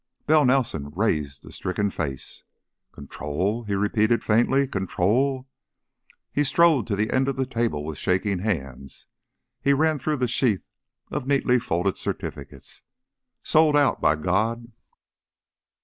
Bell Nelson raised a stricken face. "Control?" he repeated, faintly. "Control?" He strode to the end of the table, and with shaking hands he ran through the sheaf of neatly folded certificates. "Sold out, by God!"